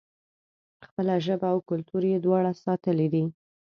خپله ژبه او کلتور یې دواړه ساتلي دي.